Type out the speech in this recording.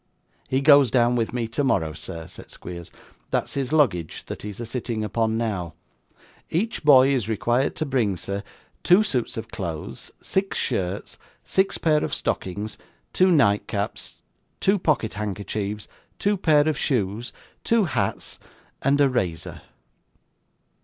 'He goes down with me tomorrow, sir,' said Squeers. 'That's his luggage that he is a sitting upon now. Each boy is required to bring, sir, two suits of clothes, six shirts, six pair of stockings, two nightcaps, two pocket handkerchiefs, two pair of shoes, two hats, and a razor.